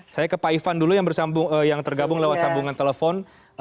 saya ke pak ivan dulu yang tergabung lewat sambungan telepon